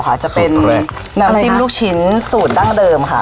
สุดแรกจะเป็นนำจิ้มลูกชิ้นสุดดั้งเดิมค่ะ